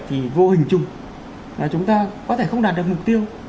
thì vô hình chung là chúng ta có thể không đạt được mục tiêu